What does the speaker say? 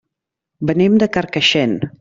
Venim de Carcaixent.